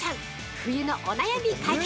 冬のお悩み解決！